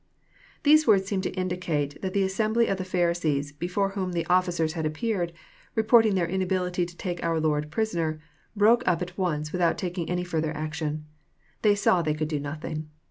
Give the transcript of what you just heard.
^ These words seem to indi cate that the assembly of Pharisees, before whom the officers had appeared, reporting their inability to take our Lord pris oner, broke up at once without taking any further action. They saw they could do nothing.